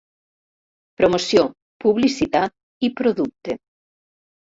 Promoció, Publicitat i Producte.